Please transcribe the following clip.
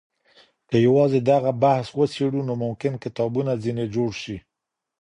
که يوازي دغه بحث وڅيړو، نو ممکن کتابونه ځني جوړ سي